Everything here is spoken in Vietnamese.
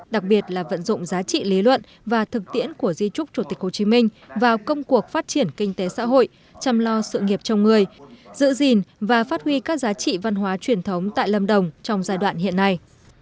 đặc biệt là vận dụng giá trị lý luận và thực tiễn của di trúc chủ tịch hồ chí minh vào công cuộc phát triển kinh tế xã hội chăm lo sự nghiệp chồng người giữ gìn và phát huy các giá trị văn hóa truyền thống tại lâm đồng trong giai đoạn hiện nay